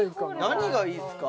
何がいいっすか？